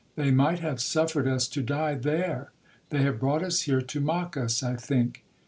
They might have suffered us to die there,—they have brought us here to mock us, I think.